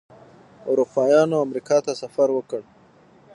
اروپایانو امریکا ته سفر وکړ.